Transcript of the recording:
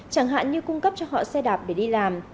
chẳng hạn như cung cấp cho họ xe đạp để đi làm